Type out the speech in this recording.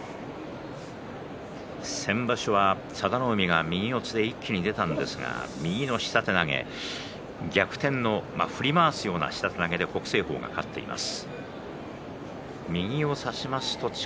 先場所は佐田の海が右四つで一気に出たんですが右の下手投げ逆転の振り回すような下手投げで北青鵬が勝っています。